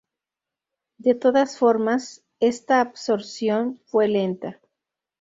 De todas formas esta absorción fue lenta.